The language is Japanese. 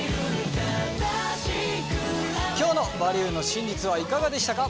今日の「バリューの真実」はいかがでしたか？